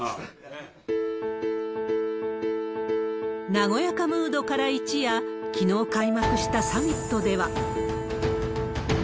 和やかムードから一夜、きのう開幕したサミットでは。